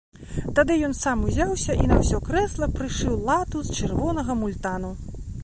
Тады ён сам ўзяўся і на ўсё крэсла прышыў лату з чырвонага мультану.